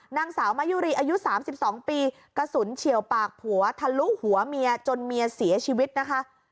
นางสาวมายุรีอายุ๓๒ปีกระสุนเฉียวปากผัวทะลุหัวเมียจนเมียเสียชีวิตนะคะ